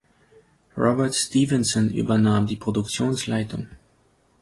Robert Stevenson übernahm die Produktionsleitung.